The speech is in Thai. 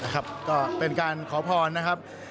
ครับก็เป็นการขอพรนะครับ